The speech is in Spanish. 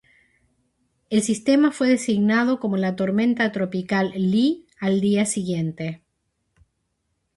El sistema fue designado como la tormenta tropical Lee al día siguiente.